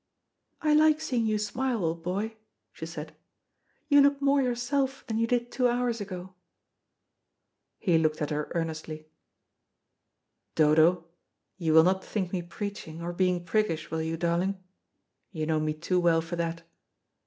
"I like seeing you smile, old boy," she said; "you look more yourself than you did two hours ago." He looked at her earnestly. "Dodo, you will not think me preaching or being priggish, will you, darling? You know me too well for that.